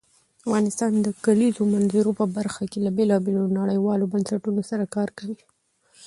افغانستان د کلیزو منظره په برخه کې له بېلابېلو نړیوالو بنسټونو سره کار کوي.